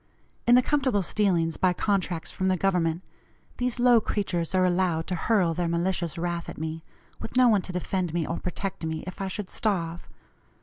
In the comfortable stealings by contracts from the Government, these low creatures are allowed to hurl their malicious wrath at me, with no one to defend me or protect me, if I should starve.